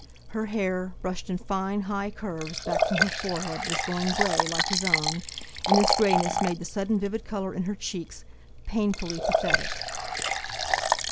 Her hair, brushed in fine, high curves back from her forehead, was going grey, like his own, and this greyness made the sudden vivid colour in her cheeks painfully pathetic.